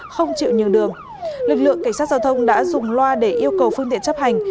không chịu nhường đường lực lượng cảnh sát giao thông đã dùng loa để yêu cầu phương tiện chấp hành